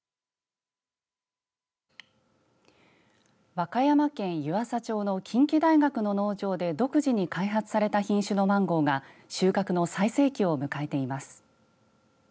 和歌山県湯浅町の近畿大学の農場で独自に開発された品種のマンゴーが収穫の最盛期を迎えています。